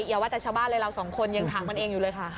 อย่าว่าแต่ชาวบ้านเลยเราสองคนยังถามมันเองอยู่เลยค่ะ